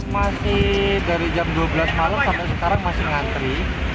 masih dari jam dua belas malam sampai sekarang masih ngantri